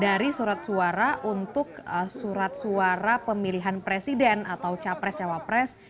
dari surat suara untuk surat suara pemilihan presiden atau capres cawapres